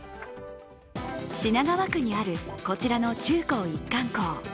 品川区にあるこちらの中高一貫校。